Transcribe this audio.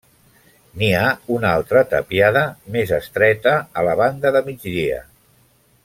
N'hi ha una altra tapiada més estreta a la banda de migdia.